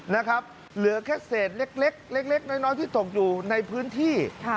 นะครับเหลือแค่เศษเล็กเล็กน้อยที่ตกอยู่ในพื้นที่